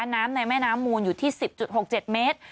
ในแม่น้ำมูลอยู่ที่๑๐๖๗เมตร